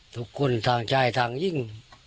ทุกคนทางชายทางยิ่ง